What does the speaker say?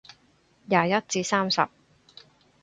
廿一至三十